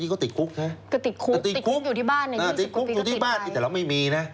ก็ติดคุกติดคุกอยู่ที่บ้านติดคุกอยู่ที่บ้านแต่เราไม่มีนะ